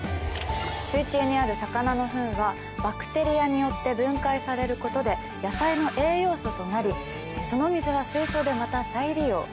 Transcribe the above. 水中にある魚のフンはバクテリアによって分解されることで野菜の栄養素となりその水は水槽でまた再利用